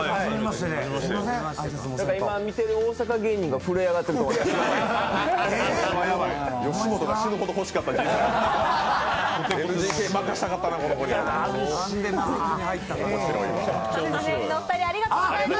今、見てる大阪芸人が震え上がってると思います。